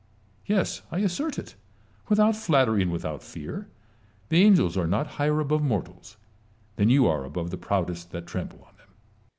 Yes, I assert it, without flattery and without fear, the angels are not higher above mortals than you are above the proudest that trample on them.